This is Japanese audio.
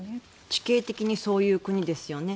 地形的にそういう国ですよね。